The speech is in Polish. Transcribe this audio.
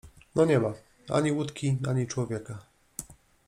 No nie ma: ani łódki, ani człowieka.